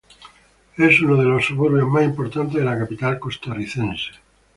Es uno de los suburbios más importantes de la capital costarricense.